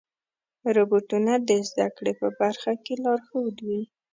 روبوټونه د زدهکړې په برخه کې لارښود وي.